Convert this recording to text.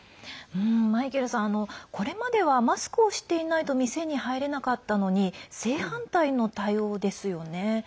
マイケルさん、これまではマスクをしていないと店に入れなかったのに正反対の対応ですよね。